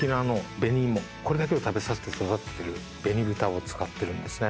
これだけを食べさせて育ててる紅豚を使ってるんですね。